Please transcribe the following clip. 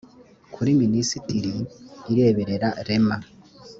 kuri minisiteri ireberera rema